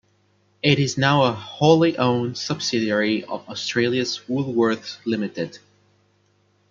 It is now a wholly owned subsidiary of Australia's Woolworths Limited.